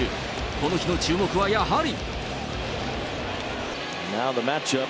この日の注目はやはり。